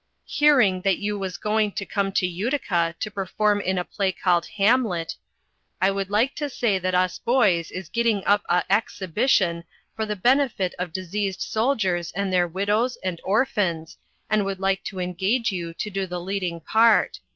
"Heering that you was going to come to Uttica to perform in a play called Hamlit I would like to say that us boys is gitting up a Exibition for the benefit of diseased soldiers and their widows and orfans and would like to engage you to do the leading part.